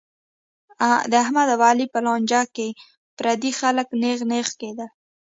د احمد او علي په لانجه کې پردي خلک نېغ نېغ کېدل.